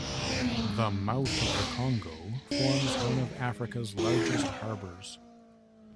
The mouth of the Congo forms one of Africa's largest harbours.